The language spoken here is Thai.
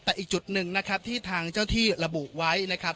แต่อีกจุดหนึ่งนะครับที่ทางเจ้าที่ระบุไว้นะครับ